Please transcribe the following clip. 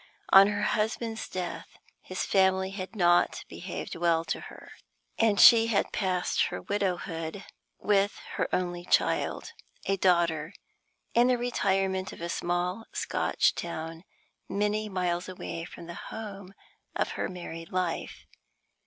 On her husband's death his family had not behaved well to her, and she had passed her widowhood, with her only child, a daughter, in the retirement of a small Scotch town many miles away from the home of her married life.